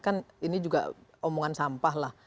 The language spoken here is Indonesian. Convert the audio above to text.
kan ini juga omongan sampah lah